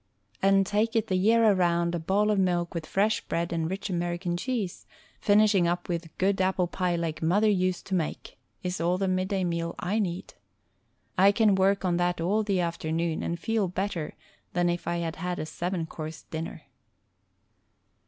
And take it the year around a bowl of milk with fresh bread and rich American cheese, finishing up with "good apple pie like mother used to make," is all the midday meal I need. I can work on that all the afternoon and feel better than if I had had a seven course dinner.